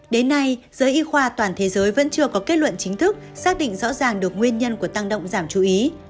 đến nay giới y khoa toàn thế giới vẫn chưa có kết luận chính thức xác định rõ ràng được nguyên nhân của tăng động giảm chú ý